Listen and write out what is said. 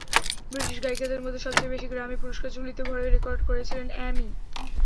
British গায়িকাদের মধ্যে সবচেয়ে বেশি গ্র্যামি পুরস্কার ঝুলিতে ভরে রেকর্ড গড়েছিলেন অ্যামি।